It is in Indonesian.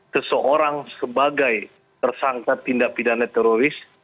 seseorang sebagai tersangka tindak pidana teroris